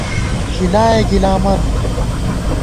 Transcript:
گِلائے گِلامن